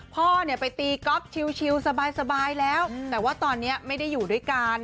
พ่อเนี่ยไปตีก๊อฟชิวสบายแล้วแต่ว่าตอนนี้ไม่ได้อยู่ด้วยกัน